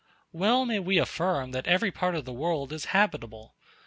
Well may we affirm that every part of the world is habitable!